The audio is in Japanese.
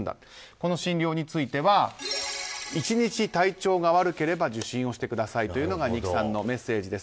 この診療については１日体調が悪ければ受診をしてくださいというのが二木さんのメッセージです。